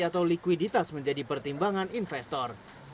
atau likuiditas menjadi pertimbangan investor